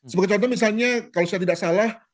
sebagai contoh misalnya kalau saya tidak salah